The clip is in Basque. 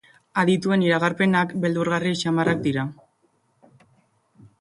Adituen iragarpenak beldurgarri samarrak dira.